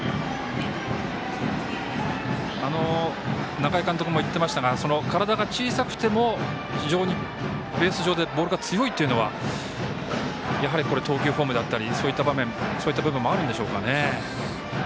中井監督も言っていましたが体が小さくても非常にベース上でボールが強いというのは投球フォームだったりそういった部分もあるんでしょうかね。